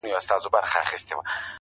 خپل استازی یې ورواستاوه خزدکه،